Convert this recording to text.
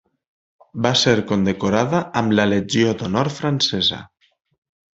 Va ser condecorada amb la Legió d'honor francesa.